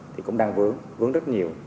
thì cũng đang vướng vướng rất nhiều